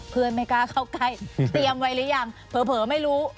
ไม่กล้าเข้าใกล้เตรียมไว้หรือยังเผลอไม่รู้